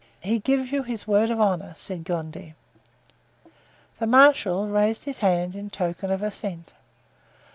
"He gives you his word of honor," said Gondy. The marshal raised his hand in token of assent.